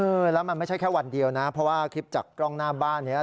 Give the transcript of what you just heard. เออแล้วมันไม่ใช่แค่วันเดียวนะเพราะว่าคลิปจากกล้องหน้าบ้านนี้